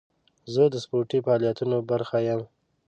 زه د سپورتي فعالیتونو برخه یم.